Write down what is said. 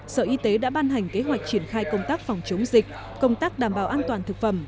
sở y tế đã ban hành kế hoạch triển khai công tác phòng chống dịch công tác đảm bảo an toàn thực phẩm